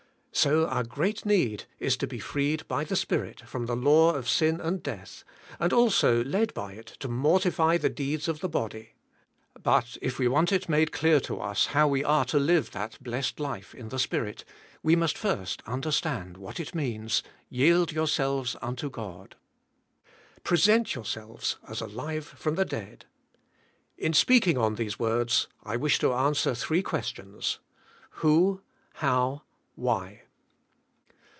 So our great need is to be freed by the Spirit, from the law of sin and death, and also led by it to mortify the deeds of the body. But if we want it made clear to us how we are to live that blessed life in the Spirit, we must first understand what it means. "Yield yourselves unto God." Present yourselves as alive from the dead. In speaking on these words I wish to answer three questions, — Who? How? Why?